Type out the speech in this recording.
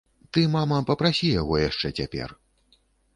Ты, мама, папрасі яго яшчэ цяпер.